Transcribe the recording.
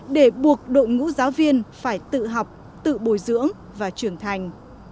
để buộc đội ngũ giáo viên phải tự học tự bồi dưỡng và trưởng thành